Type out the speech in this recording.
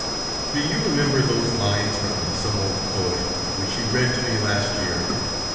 "Do you remember those lines from some old poet, which you read to me last year?